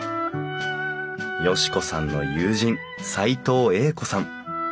嘉子さんの友人斎藤栄子さん。